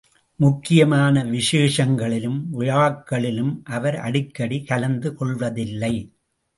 முக்கியமான விஷேசங்களிலும் விழாக்களிலும் அவர் அடிக்கடி கலந்து கொள்வதில்லை.